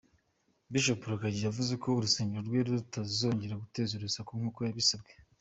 Bishop Rugagi yavuze ko urusengero rwe rutazongera guteza urusaku nk’uko yabisabwe.